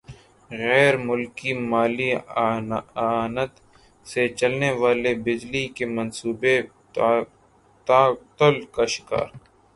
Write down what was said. غیر ملکی مالی اعانت سے چلنے والے بجلی کے منصوبے تعطل کا شکار